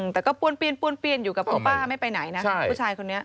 แต่ก็ป้วนเปลี่ยนอยู่กับตัวป้าไม่ไปไหนนะผู้ชายคนนี้